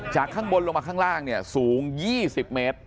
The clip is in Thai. ข้างบนลงมาข้างล่างเนี่ยสูง๒๐เมตร